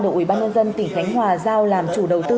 đội ubnd tỉnh khánh hòa giao làm chủ đầu tư